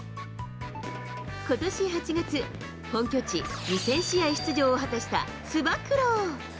ことし８月、本拠地２０００試合出場を果たしたつば九郎。